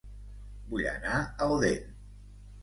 Vull anar a Odèn